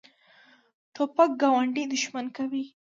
توپک ګاونډي دښمن کوي.